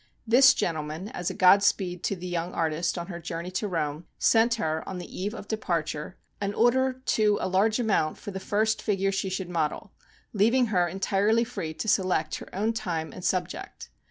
This gentleman, as a God speed to the young artist on her journey to Rome, sent her, on the eve of departure, an order to a large amount for the first figure she should model, leaving her entirely free to select her own time and subject.